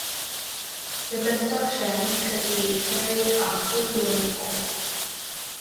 The construction could be carried on two wooden poles.